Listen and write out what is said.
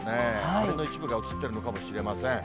あれの一部が映っているのかもしれません。